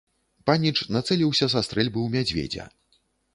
Паніч нацэліўся са стрэльбы ў мядзведзя.